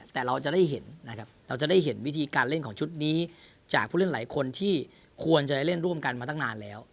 แต่เราจะได้เห็นวิธีการเล่นของชุดนี้จากผู้เล่นหลายคนที่ควรจะได้เล่นร่วมกันมาตั้งนานแล้ว